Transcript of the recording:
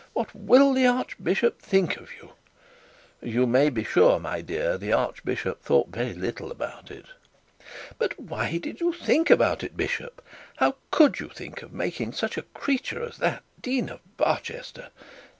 What will the archbishop think of that?' 'You may be sure, my dear, that the archbishop thought very little about it.' 'But why did you think about it, bishop? How could you think of making such a creature as that Dean of Barchester?